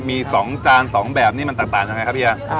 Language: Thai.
มีสองจานสองแบบที่อันนี้ต่างอย่างไรครับพี่ครับ